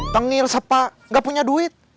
tengil siapa gak punya duit